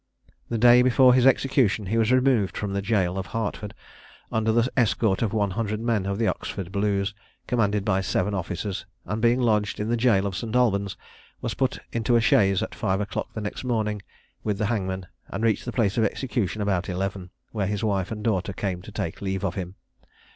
The day before his execution he was removed from the jail of Hertford, under the escort of one hundred men of the Oxford Blues, commanded by seven officers; and being lodged in the jail of St. Albans, was put into a chaise at five o'clock the next morning, with the hangman, and reached the place of execution about eleven, where his wife and daughter came to take leave of him.